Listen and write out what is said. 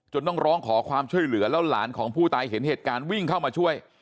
ต้องร้องขอความช่วยเหลือแล้วหลานของผู้ตายเห็นเหตุการณ์วิ่งเข้ามาช่วย